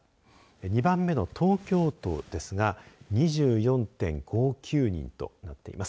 ２番目の東京都ですが２４．５９人となっています。